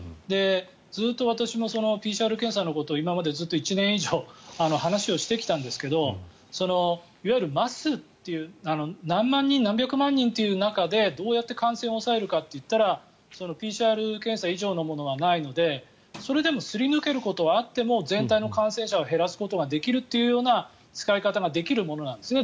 ずっと私もＰＣＲ検査のことを今までずっと１年以上話をしてきたんですけどいわゆる何万人、何百万人という中でどうやって感染を抑えるかといったらＰＣＲ検査以上のものがないのでそれでもすり抜けることはあっても全体の感染者を減らすことができるというような使い方ができるものなんですね